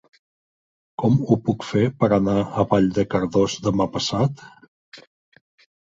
Com ho puc fer per anar a Vall de Cardós demà passat?